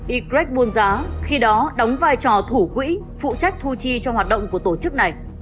y greg buôn giá khi đó đóng vai trò thủ quỹ phụ trách thu chi cho hoạt động của tổ chức này